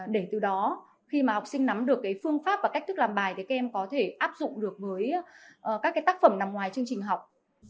để từ đó khi mà học sinh nắm được cái phương pháp và cách thức làm bài thì các em có thể áp dụng được với các tác phẩm nằm ngoài chương trình học